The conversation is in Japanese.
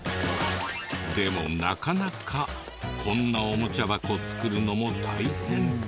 でもなかなかこんなオモチャ箱作るのも大変。